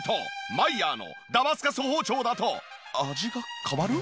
マイヤーのダマスカス包丁だと味が変わる？